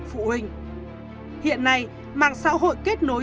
phụ huynh hiện nay mạng xã hội kết nối